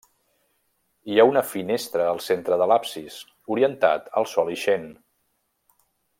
Hi ha una finestra al centre de l'absis, orientat a sol ixent.